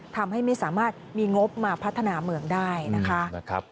ทำให้ไม่สามารถมีงบมาพัฒนาเมืองได้นะคะ